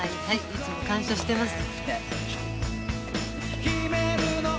いつも感謝してます。